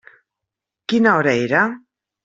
Quina hora era?